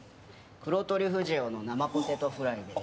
黒トリュフ塩の生ポテトフライです。